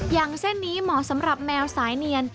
อย่างเส้นนี้เหมาะสำหรับแมวสายเนียน